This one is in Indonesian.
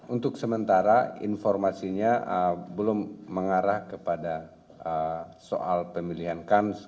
untuk sementara informasinya belum mengarah kepada soal pemilihan kan